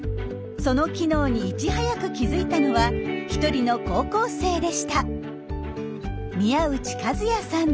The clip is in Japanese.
その機能にいち早く気づいたのは一人の高校生でした。